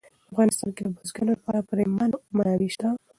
په افغانستان کې د بزګانو لپاره پریمانه منابع شته دي.